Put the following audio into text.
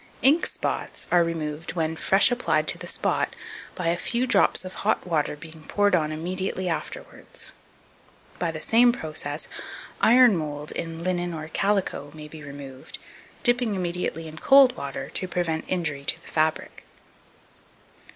2271. Ink spots are removed, when fresh applied to the spot, by a few drops of hot water being poured on immediately afterwards. By the same process, iron mould in linen or calico may be removed, dipping immediately in cold water to prevent injury to the fabric.